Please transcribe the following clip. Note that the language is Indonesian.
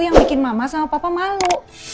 yang bikin mama sama papa malu